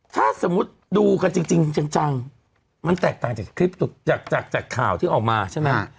ถ้าสมมุติดูกันจริงจังมันแตกต่างจากคลิปจากข่าวที่ออกมาใช่ไหม